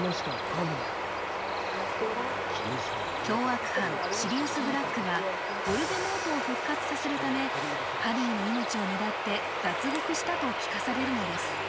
凶悪犯シリウス・ブラックはヴォルデモートを復活させるためハリーの命を狙って脱獄したと聞かされるのです